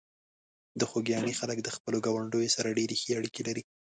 د خوږیاڼي خلک د خپلو ګاونډیو سره ډېرې ښې اړیکې لري.